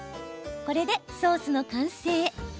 これでソースの完成。